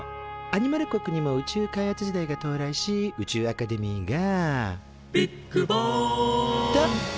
アニマル国にも宇宙開発時代が到来し宇宙アカデミーが「ビッグバーン！」と誕生。